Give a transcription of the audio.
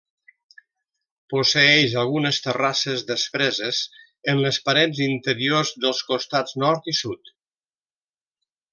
Posseeix algunes terrasses despreses en les parets interiors dels costats nord i sud.